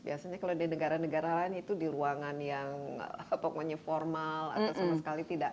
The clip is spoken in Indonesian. biasanya kalau di negara negara lain itu di ruangan yang pokoknya formal atau sama sekali tidak